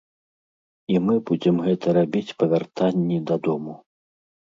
І мы будзем гэта рабіць па вяртанні дадому.